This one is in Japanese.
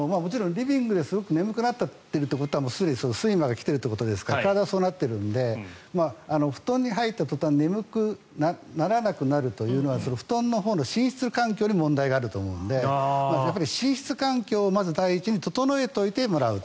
もちろんリビングですごく眠くなっているということは睡魔が来ているということなので体はそうなっているので布団に入った途端眠くならなくなるというのはそれは布団のほうの寝室環境に問題があると思うので寝室環境をまず第一に整えてもらうと。